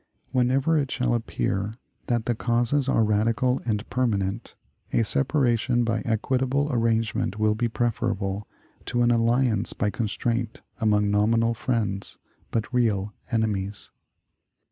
Whenever it shall appear that the causes are radical and permanent, a separation by equitable arrangement will be preferable to an alliance by constraint among nominal friends, but real enemies."